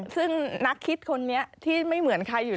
ซึ่งนักคิดคนนี้ที่ไม่เหมือนใครอยู่แล้วเนี่ย